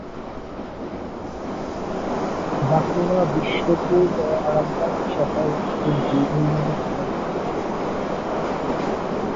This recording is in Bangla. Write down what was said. বাঁকুড়া, বিষ্ণুপুর ও আরামবাগ শহর তিনটি এই নদীর তীরে অবস্থিত।